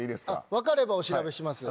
分かればお調べします。